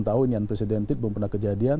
tahu ini yang presiden tidak pernah kejadian